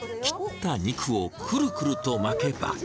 切った肉をくるくると巻けば。